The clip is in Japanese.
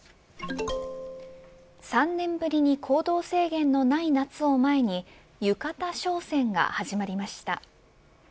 ３年ぶりに行動制限のない夏を前に浴衣商戦が始まりました。